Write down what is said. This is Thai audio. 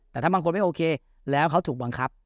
แต่ถ้าบางคนไม่โอเคแล้วเขาถูกบังคับ